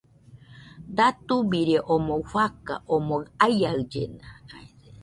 Datubirie omoi fakan omɨ aiaɨllena.